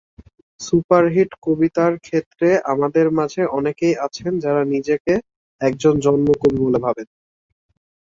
Superhit কবিতার ক্ষেত্রেআমাদের মাঝে অনেকেই আছেন, যাঁরা নিজেকে একজন জন্ম-কবি বলে ভাবেন।